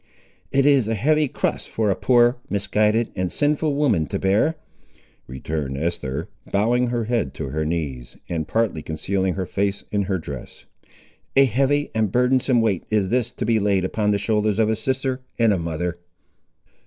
"It is a heavy cross for a poor, misguided, and sinful woman to bear!" returned Esther, bowing her head to her knees, and partly concealing her face in her dress. "A heavy and a burdensome weight is this to be laid upon the shoulders of a sister and a mother!"